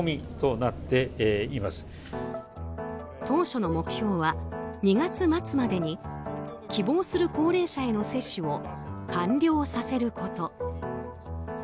当初の目標は、２月末までに希望する高齢者への接種を完了させること。